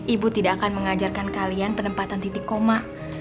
ibu tidak akan mengajarkan kalian penempatan titik koma